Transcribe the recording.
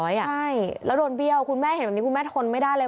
ใช่แล้วโดนเบี้ยวคุณแม่เห็นแบบนี้คุณแม่ทนไม่ได้เลย